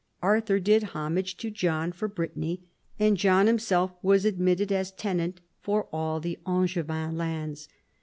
Arthur did homage to John for Brittany, and John himself was admitted as tenant for all the Angevin lands.